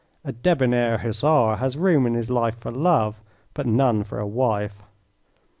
A debonair Hussar has room in his life for love, but none for a wife.